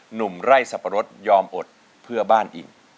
หนุ่มไร่สับปะรดยอมอดเพื่อบ้านอีก